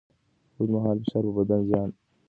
اوږدمهاله فشار پر بدن زیان رسوي.